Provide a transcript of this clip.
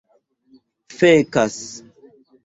fekas